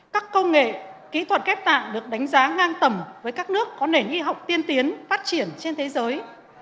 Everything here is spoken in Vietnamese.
các công nghệ kỹ thuật ghép tạng được đánh giá ngang tầm với các nước có nền y học tiên tiến phát triển trên thế giới